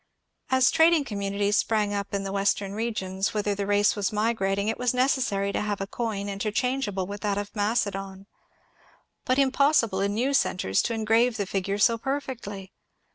As trading oommimities sprang up in the western regions whither the race was migrating, it was necessary to have a coin inter changeable with that of Macedon, but impossible in new cen tres to engrave the figure so perfectly.